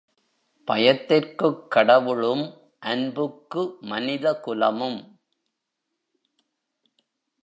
பயத்திற்குக் கடவுளும், அன்புக்கு மனித குலமும்.